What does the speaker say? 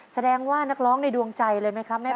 แสดงว่านักร้องในดวงใจเลยไหมครับแม่